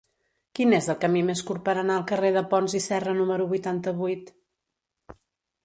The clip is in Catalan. Quin és el camí més curt per anar al carrer de Pons i Serra número vuitanta-vuit?